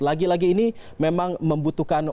lagi lagi ini memang membutuhkan